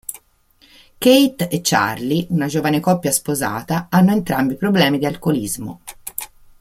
Kate e Charlie, una giovane coppia sposata, hanno entrambi problemi di alcolismo.